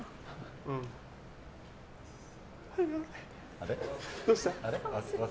あれ？